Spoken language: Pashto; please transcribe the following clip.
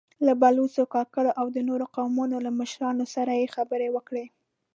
له بلوڅو، کاکړو او د نورو قومونو له مشرانو سره يې خبرې وکړې.